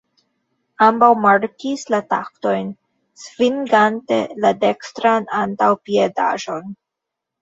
Ambaŭ markis la taktojn svingante la dekstran antaŭpiedaĵon.